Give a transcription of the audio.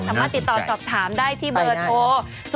สามารถติดต่อสอบถามได้ที่เบอร์โทร